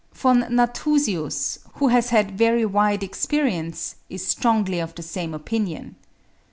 Von Nathusius, who has had very wide experience, is strongly of the same opinion.